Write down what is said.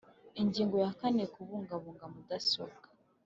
Ingingo ya kane Kubungabunga mudasobwa